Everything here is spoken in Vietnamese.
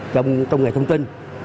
trong nghề thông tin